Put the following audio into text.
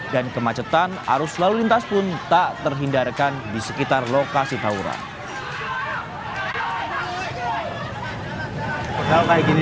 dan kemacetan arus lalu lintas pun tak terhindarkan di sekitar lokasi tawaran